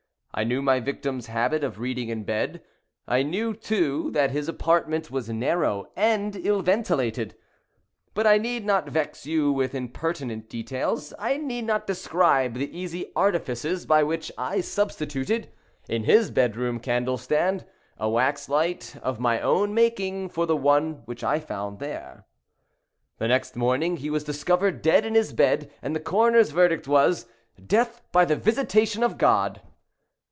I knew my victim's habit of reading in bed. I knew, too, that his apartment was narrow and ill ventilated. But I need not vex you with impertinent details. I need not describe the easy artifices by which I substituted, in his bed room candle stand, a wax light of my own making for the one which I there found. The next morning he was discovered dead in his bed, and the coroner's verdict was—"Death by the visitation of God."